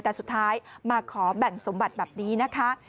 แต่สุดท้ายมาขอแบ่งสมบัติแบบนี้นะคะ